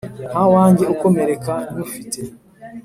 ntawanjye ukomereka nywufite.